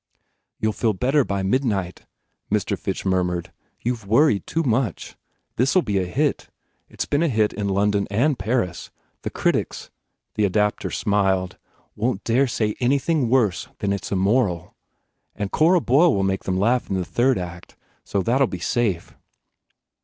"You ll feel better by midnight," Mr. Fitch murmured, "You ve worried too much. This ll be a hit. It s been a hit in London and Paris. The critics" the adapter smiled "won t dare say anything worse than that it s immoral. And Cora Boyle will make them laugh in the third act, so that ll be safe."